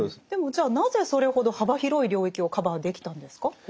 でもじゃあなぜそれほど幅広い領域をカバーできたんですか？